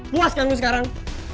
puas kan lu sekarang